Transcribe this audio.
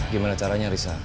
gimana caranya risa